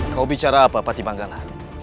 kau bicara apa pati manggala